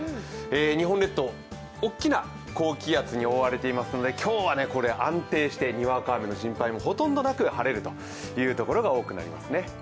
日本列島、大きな高気圧に覆われていますので、今日は安定してにわか雨の心配もほとんどなく晴れるというところが多くなりますね。